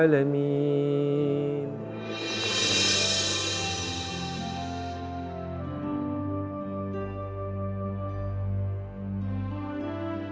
para menteri dpr